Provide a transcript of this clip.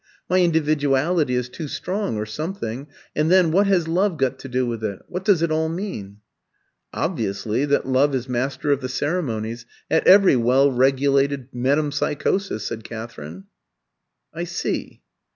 My individuality is too strong or something. And then, what has Love got to do with it? What does it all mean?" "Obviously, that Love is Master of the Ceremonies at every well regulated metempsychosis," said Katherine. "I see."